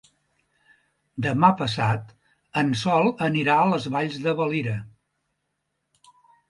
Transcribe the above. Demà passat en Sol anirà a les Valls de Valira.